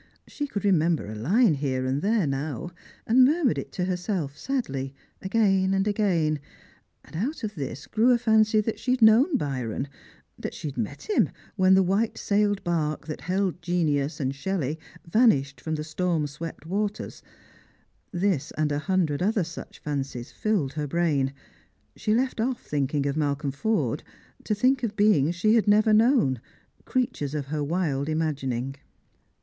She could remember a line here and there now, and mur mured it to herself sadly, again and again. And out of this grew a fancy that she had known Byron, that she had met him in Italy and in Greece, had stood upon the sea shore at Lerici ■when the white sailed bark that held genius and Shelley vanished from the storm swept waters. This and a hundred other such fancies filled her brain. She left off thinking of Malcolm Forde, to think of beings she had never known, crea tures of her wild imagining.